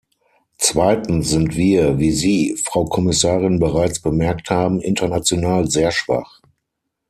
Zweitens sind wir, wie Sie, Frau Kommissarin, bereits bemerkt haben, international sehr schwach.